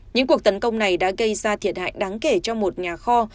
những cuộc tấn công này đã gây ra thiệt hại đáng kể cho một nhà kho